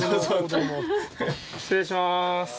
失礼します。